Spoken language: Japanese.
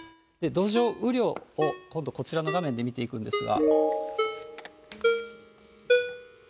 土壌雨量を今度、こちらの画面で見ていくんですが。